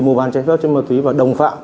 mua bán trái phép chất ma túy và đồng phạm